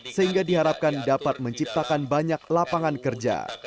sehingga diharapkan dapat menciptakan banyak lapangan kerja